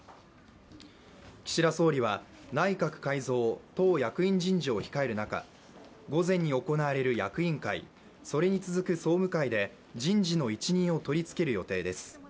岸田総理は内閣改造・党役員人事を控える中、午前に行われる役員会、それに続く総務会で人事の一任を取りつける予定です。